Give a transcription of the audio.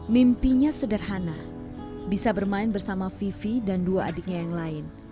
mimpinya sederhana bisa bermain bersama vivi dan dua adiknya yang lain